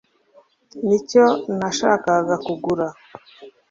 Nicyo nashakaga kugura